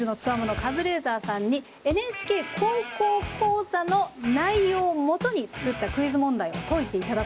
カズレーザーさんに「ＮＨＫ高校講座」の内容をもとに作ったクイズ問題を解いていただこうという。